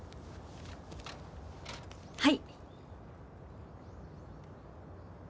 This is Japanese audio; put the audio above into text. はい。